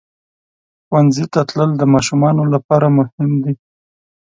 ښوونځي ته تلل د ماشومانو لپاره مهم دي.